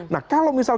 nah kalau misal